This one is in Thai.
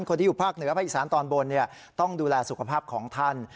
คนที่อยู่ภาคเหนือภาคอีสานตอนบนต้องดูแลสุขภาพของท่าน